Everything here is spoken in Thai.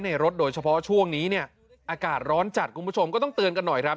รถโดยเฉพาะช่วงนี้เนี่ยอากาศร้อนจัดคุณผู้ชมก็ต้องเตือนกันหน่อยครับ